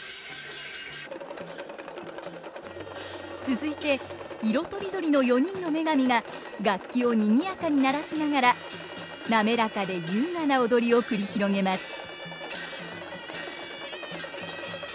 続いて色とりどりの４人の女神が楽器をにぎやかに鳴らしながら滑らかで優雅な踊りを繰り広げます。